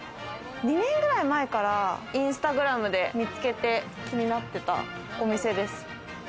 ２年ぐらい前からインスタグラムで見つけて気になってたお店です。